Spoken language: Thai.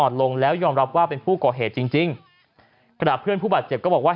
กระดาษเพื่อนผู้บาดเจ็บก็บอกว่า